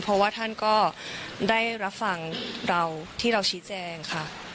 เพราะว่าท่านก็ได้รับฟังเราที่เราชี้แจงค่ะ